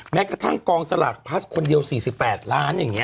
แม้กระทั่งกองสลากพลัสคนเดียว๔๘ล้านอย่างนี้